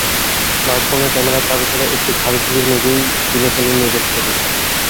স্মার্টফোনের ক্যামেরা চালু করে একটু ঘাড় ঘুরিয়ে নিজেই তুলে ফেলুন নিজের ছবি।